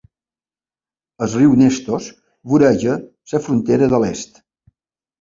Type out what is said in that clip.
El riu Nestos voreja la frontera de l'est.